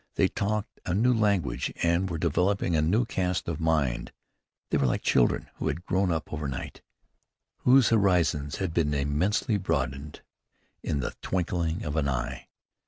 They talked a new language and were developing a new cast of mind. They were like children who had grown up over night, whose horizons had been immeasurably broadened in the twinkling of an eye.